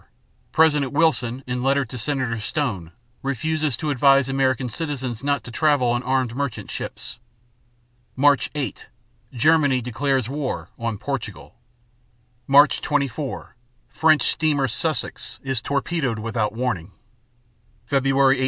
24 President Wilson in letter to Senator Stone refuses to advise American citizens not to travel on armed merchant ships._ Mar. 8 Germany declares war on Portugal. Mar. 24 French steamer "Sussex" is torpedoed without warning (page 115).